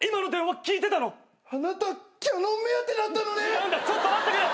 違うんだちょっと待ってくれ。